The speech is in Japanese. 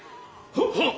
はっ！